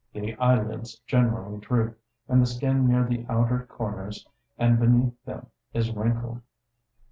The eyelids generally droop; and the skin near their outer comers and beneath them is wrinkled.